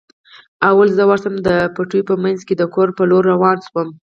لومړی زه ورشم، د پټیو په منځ کې د کور په لور روان شوم.